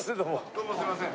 どうもすいません。